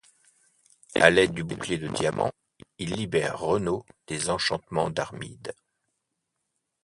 À l'aide du bouclier de diamant, ils libèrent Renaud des enchantements d'Armide.